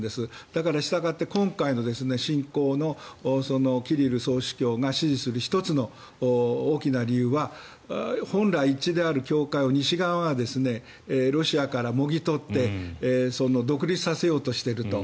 だからしたがって今回の侵攻をキリル総主教が支持する１つの大きな理由は本来一致である教会を西側はロシアからもぎ取って独立させようとしていると。